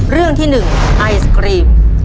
เรื่องที่๑ไอศกรีม